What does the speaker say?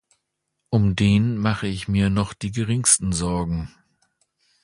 Um den mache ich mir noch die geringsten Sorgen.